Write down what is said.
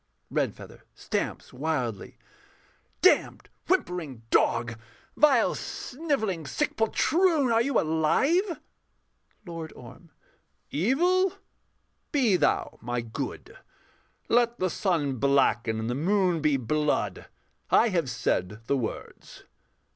REDFEATHER [stamps wildly]. Damned, whimpering dog! vile, snivelling, sick poltroon! Are you alive? LORD ORM. Evil, be thou my good; Let the sun blacken and the moon be blood: I have said the words.